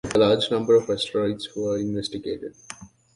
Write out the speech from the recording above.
A large number of asteroids were investigated.